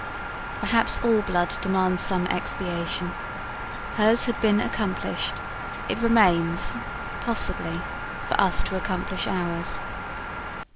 Perhaps all blood demands some expiation. Hers had been accomplished; it remains, possibly, for us to accomplish ours."